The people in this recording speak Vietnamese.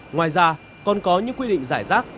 ngoài ra còn có những quy định giải rác